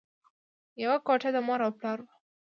یوه کوټه د مور او پلار وه